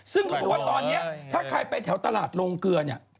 ซึ่งเขาบอกว่าตอนนี้ถ้าใครไปแถวตลาดโรงเกลือเนี่ย